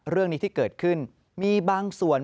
เรื่องนี้ที่เกิดขึ้นมีบางส่วน